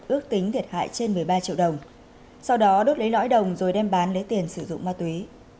ước tính thiệt hại trên một mươi ba triệu đồng sau đó đốt lấy lõi đồng rồi đem bán lấy tiền sử dụng ma túy